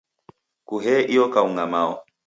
Kuhee iyo kaung'a Mao!